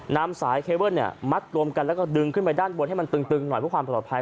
นำสายเคเบิ้ลมัดรวมกันแล้วก็ดึงขึ้นไปด้านบนให้มันตึงหน่อยเพื่อความปลอดภัย